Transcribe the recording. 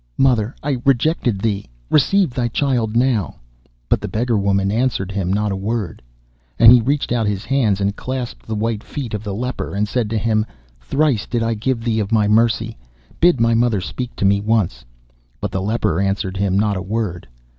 Mother, I rejected thee. Receive thy child now.' But the beggar woman answered him not a word. And he reached out his hands, and clasped the white feet of the leper, and said to him: 'Thrice did I give thee of my mercy. Bid my mother speak to me once.' But the leper answered him not a word.